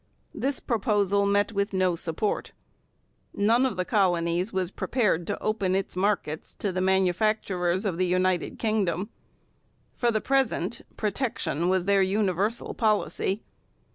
This proposal met with no support. None of the colonies was prepared to open its markets to the manufacturers of the United Kingdom. For the present, protection was their universal policy.